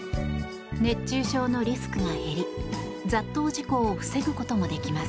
熱中症のリスクが減り雑踏事故を防ぐこともできます。